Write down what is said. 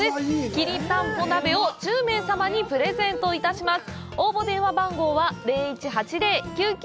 きりたんぽ鍋を１０名様にプレゼントいたします。